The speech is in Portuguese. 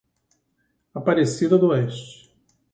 Aparecida d'Oeste